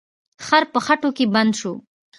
خر په خټو کې بند شو.